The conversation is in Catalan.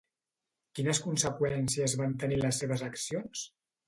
Quines conseqüències van tenir les seves accions?